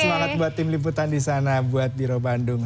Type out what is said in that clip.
semangat buat tim liputan di sana buat biro bandung